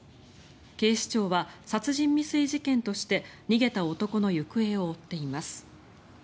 警視庁は殺人未遂事件として逃げた男の行方を追っています。